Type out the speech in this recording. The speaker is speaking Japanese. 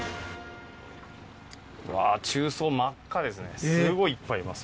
うわぁ、中層、真っ赤ですね。